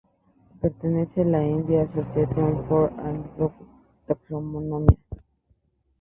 Pertenece a la "Indian Association for Angiosperm Taxonomy"